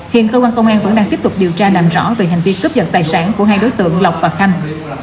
hiện cơ quan công an vẫn đang tiếp tục điều tra làm rõ về hành vi cướp giật tài sản của hai đối tượng lộc và khanh